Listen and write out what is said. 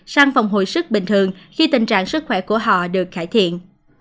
sang phòng hồi sức bình thường khi tình trạng sức khỏe của họ được cải thiện